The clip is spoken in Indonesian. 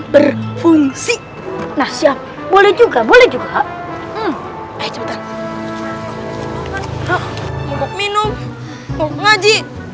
berfungsi nasab boleh juga boleh juga hai cepetan minum ngaji